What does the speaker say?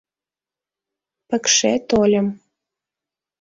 Пыкше тольым.